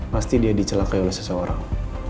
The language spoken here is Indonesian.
pasti dia dicelakai oleh seseorang